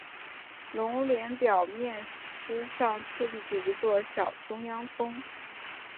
熔岩表面之上矗立着一座小中央峰。